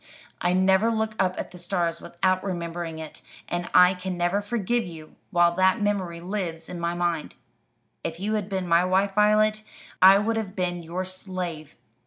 I never look up at the stars without remembering it; and I can never forgive you while that memory lives in my mind. If you had been my wife, Violet, I would have been your slave.